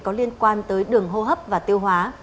có liên quan tới đường hô hấp và tiêu hóa